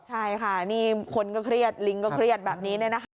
ใช่ค่ะนี่คนก็เครียดลิงก็เครียดแบบนี้เนี่ยนะคะ